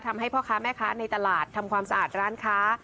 ทำให้พ่อค้าแม่ค้าในตลาดทำความสะอาดร้านค้า